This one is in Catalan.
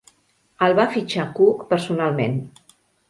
El va fitxar Cook personalment.